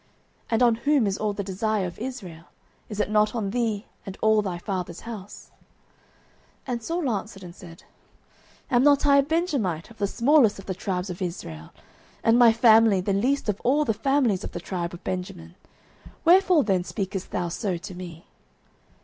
And on whom is all the desire of Israel? Is it not on thee, and on all thy father's house? 09:009:021 And Saul answered and said, Am not I a Benjamite, of the smallest of the tribes of Israel? and my family the least of all the families of the tribe of Benjamin? wherefore then speakest thou so to me?